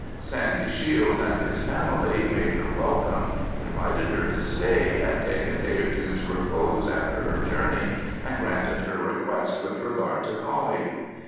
Sandy Shiels and his family made her welcome; invited her to stay and take a day or two's repose after her journey, and granted her request with regard to Coullie.